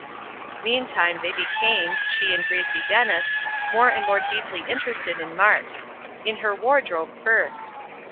Meantime they became, she and Gracie Dennis, more and more deeply interested in Mart. In her wardrobe first.